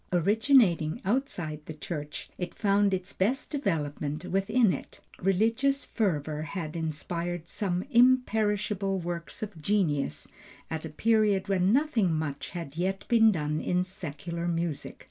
Originating outside the church, it found its best development within it. Religious fervor had inspired some imperishable works of genius at a period when nothing much had yet been done in secular music.